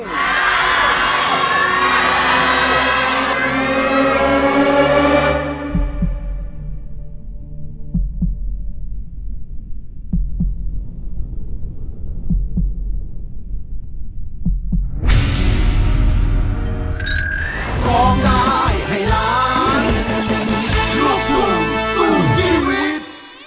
สำหรับเพลงที่สองมูลค่าสองหมื่นบาท